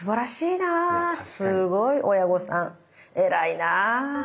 すごい親御さん偉いな。